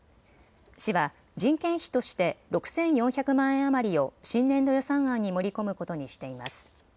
市は人件費として６４００万円余りを新年度予算案に盛り込むことにしています。